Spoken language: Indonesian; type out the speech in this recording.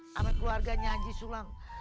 sama keluarganya haji sulam